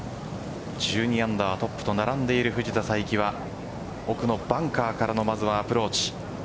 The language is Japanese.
１２アンダートップと並んでいる藤田さいきは奥のバンカーからのまずはアプローチ。